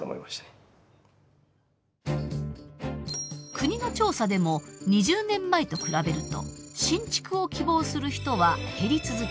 国の調査でも２０年前と比べると新築を希望する人は減り続け